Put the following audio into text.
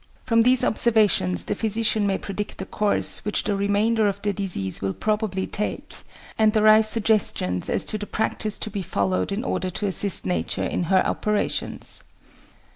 From these observations the physician may predict the course which the remainder of the disease will probably take, and derive suggestions as to the practice to be followed in order to assist Nature in her operations.